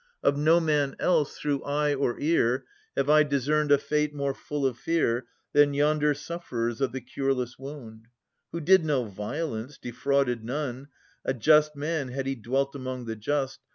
Of no man else, through eye or ear. Have I discerned a fate more full of fear Than yonder sufferer's of the cureless wound : Who did no violence, defrauded none. A just man, had he dwelt among the just.